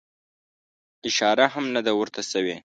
اشاره هم نه ده ورته سوې.